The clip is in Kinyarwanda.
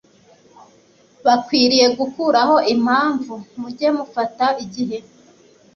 Bakwiriye gukuraho impamvu. Mujye mufata igihe